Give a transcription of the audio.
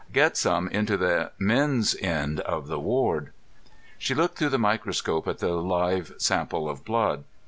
"Get some into the men's end of the ward." She looked through the microscope at the live sample of blood.